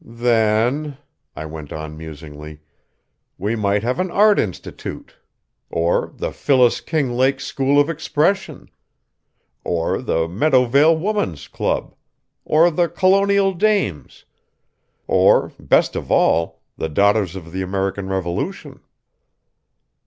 "Then," I went on musingly, "we might have an Art Institute, or the Phyllis Kinglake School of Expression, or the Meadowvale Woman's Club, or the Colonial Dames, or, best of all, the Daughters of the American Revolution."